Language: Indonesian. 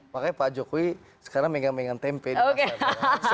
makanya pak jokowi sekarang main main tempe di pasar